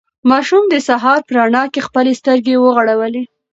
ماشوم د سهار په رڼا کې خپلې سترګې وغړولې.